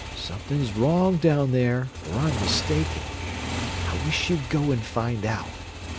Something's wrong down there, or I'm mistaken. I wish you'd go and find out.